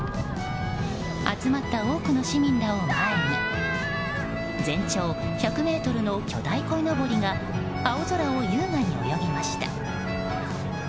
集まった多くの市民らを前に全長１００ｍの巨大こいのぼりが青空を優雅に泳ぎました。